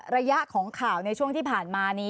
ระยะของข่าวในช่วงที่ผ่านมานี้